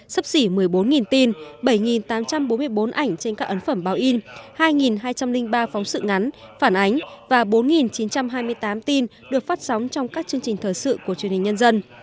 sấp xỉ một mươi bốn tin bảy tám trăm bốn mươi bốn ảnh trên các ấn phẩm báo in hai hai trăm linh ba phóng sự ngắn phản ánh và bốn chín trăm hai mươi tám tin được phát sóng trong các chương trình thời sự của truyền hình nhân dân